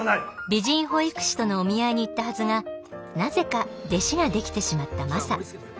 美人保育士とのお見合いに行ったはずがなぜか弟子ができてしまったマサ。